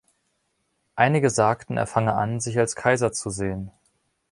Einige sagten, er fange an, sich als Kaiser zu sehen.